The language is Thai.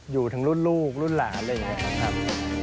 อยู่ทั้งรุ่นลูกรุ่นหลานอะไรอย่างนี้ครับ